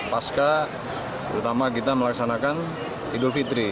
pasca terutama kita melaksanakan idul fitri